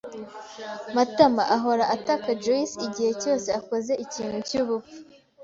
Matama ahora ataka Joyci igihe cyose akoze ikintu cyubupfu.